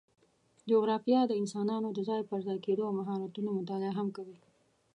جغرافیه د انسانانو د ځای پر ځای کېدو او مهاجرتونو مطالعه هم کوي.